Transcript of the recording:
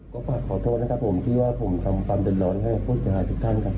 ก็ฝากขอโทษนะครับผมที่ว่าผมทำความเดือดร้อนให้กับผู้เสียหายทุกท่านครับ